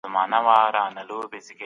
تر هغه چي دا نړۍ وي خلګ به شراب څښي.